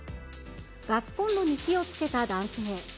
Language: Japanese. ガスコンロに火をつけた男性。